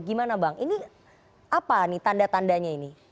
gimana bang ini apa nih tanda tandanya ini